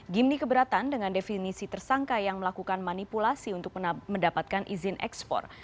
gimni keberatan dengan definisi tersangka yang melakukan manipulasi untuk mendapatkan izin ekspor